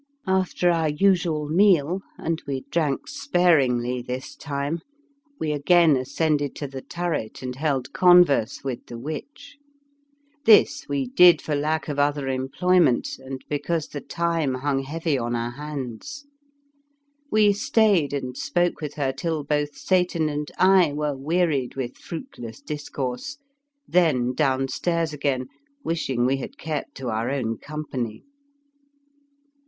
After our usual meal, and we drank sparingly this time, we again ascended to the turret and held converse with 55 The Fearsome Island the witch. This we did for lack of other employment and because the time hung heavy on our hands. We stayed and spoke with her till both Satan and I were wearied with fruit less discourse; then downstairs again wishing we had kept to our own com pany.